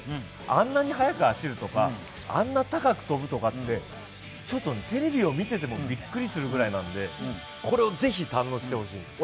あんなに速く走るとか、あんな高く跳ぶとかってちょっとテレビを見ていてもびっくりするぐらいなんでこれを是非、堪能してほしいです。